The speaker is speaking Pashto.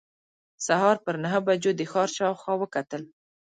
سهار پر نهو بجو د ښار شاوخوا وکتل.